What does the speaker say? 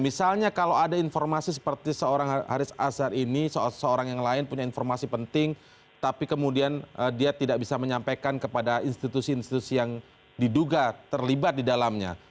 misalnya kalau ada informasi seperti seorang haris azhar ini seorang yang lain punya informasi penting tapi kemudian dia tidak bisa menyampaikan kepada institusi institusi yang diduga terlibat di dalamnya